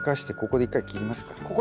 ここで切りますか。